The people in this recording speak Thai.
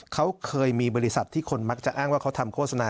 เขาเคยมีบริษัทที่คนมักจะอ้างว่าเขาทำโฆษณา